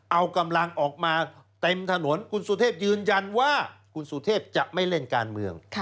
เอากำลังออกมาเต็มถนนคุณสุเทพยืนยันว่าคุณสุเทพจะไม่เล่นการเมือง